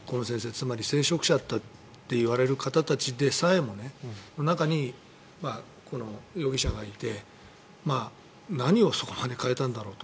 つまり聖職者って言われる方たちでさえもその中に容疑者がいて何をそこまで変えたんだろうと。